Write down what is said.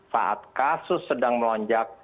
saat kasus sedang melonjak